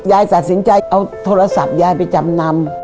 ยายตัดสินใจเอาโทรศัพท์ยายไปจำนำ